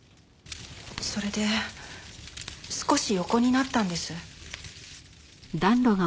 それで少し横になったんです。